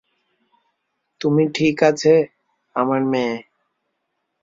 তুমি ঠিক আছে, আমার মেয়ে?